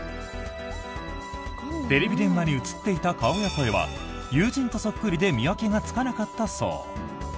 テレビ電話に映っていた顔や声は友人とそっくりで見分けがつかなかったそう。